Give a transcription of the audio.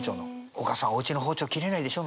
「おかあさんおうちの包丁切れないでしょ？」